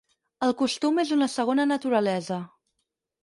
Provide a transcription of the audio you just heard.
El costum és una segona naturalesa.